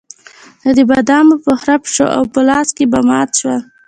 نو د بادامو به خرپ شو او په لاس کې به مات شول.